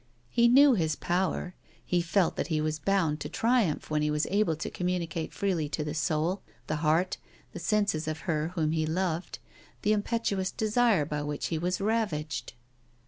He knew his power, he felt that he was bound to triumph when he was able to communicate freely to the soul, the heart, the senses of her whom he loved, the impetuous desire by which he was ravaged.